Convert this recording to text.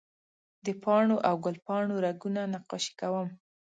د پاڼو او ګل پاڼو رګونه نقاشي کوم